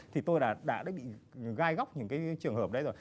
thì tôi đã bị gai góc những cái trường hợp đấy rồi